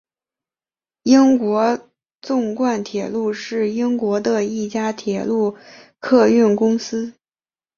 英国纵贯铁路是英国的一家铁路客运公司。